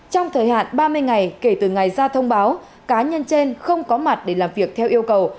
trong thời hạn ba mươi ngày kể từ ngày ra thông báo cá nhân trên không có mặt để làm việc theo yêu cầu